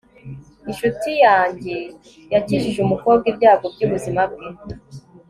inshuti yanjye yakijije umukobwa ibyago byubuzima bwe